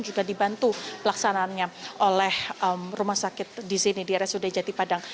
juga dibantu pelaksanaannya oleh rumah sakit di sini di rsud jati padang